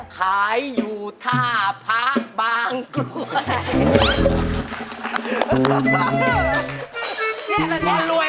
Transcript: ขายอยู่ท่าพระบางกรวย